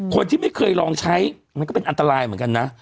คนที่ไม่เคยลองใช้มันก็เป็นอันตรายเหมือนกันนะ